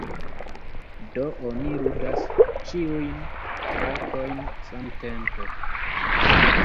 Do oni ludas ĉiujn trakojn samtempe.